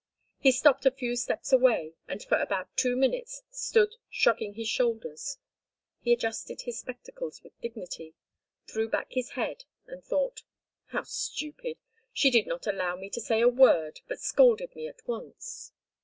He stopped a few steps away and for about two minutes stood shrugging his shoulders. He adjusted his spectacles with dignity, threw his head back and thought: "How stupid. She did not allow me to say a word, but scolded me at once.